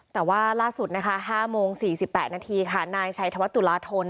แต่ว่าล่าสุด๕โมง๔๘นาทีนายชัยธวรรษตุลาธน